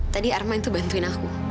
tadi arman membantu aku